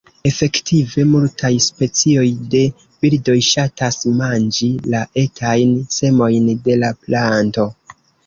Efektive, multaj specioj de birdoj ŝatas manĝi la etajn semojn de la planto.